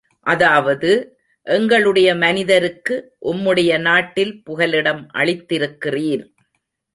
அதாவது, எங்களுடைய மனிதருக்கு, உம்முடைய நாட்டில் புகலிடம் அளித்திருக்கிறீர்.